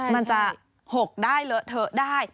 มันจะ๖ได้เลอะเทอะได้